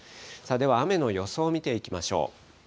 では雨の予想を見ていきましょう。